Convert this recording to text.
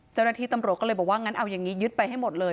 เจ้าหน้าที่ตำรวจก็เลยบอกว่างั้นเอาอย่างนี้ยึดไปให้หมดเลย